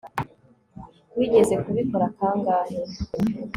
Wigeze kubikora kangahe